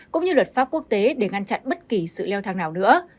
cũng như luật pháp quốc tế để ngăn chặn bất kỳ sự leo thang nào nữa